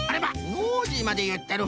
ノージーまでいってる。